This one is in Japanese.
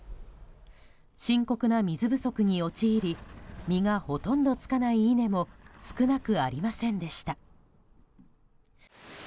深刻な水不足に陥り実がほとんどつかない稲も少なくありませんでした。